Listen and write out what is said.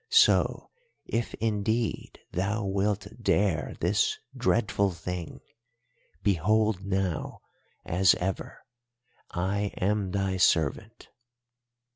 So, if indeed thou wilt dare this dreadful thing, behold now, as ever, I am thy servant.